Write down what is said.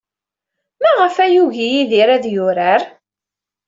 Maɣef ay yugi Yidir ad yurar?